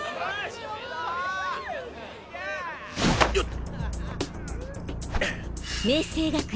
よっ！